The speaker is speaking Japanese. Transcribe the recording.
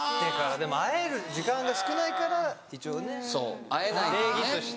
でも会える時間が少ないから一応ね礼儀として。